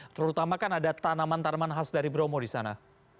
terutama kan ada tanaman tanaman khas dari bromo di sana